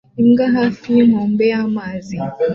Imbwa hafi yinkombe yamazi